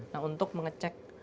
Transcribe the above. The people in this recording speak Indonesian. nah untuk mengecek